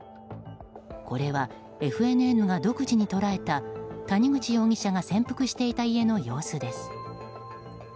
これはＦＮＮが独自に捉えた谷口容疑者が潜伏していた家の様子です。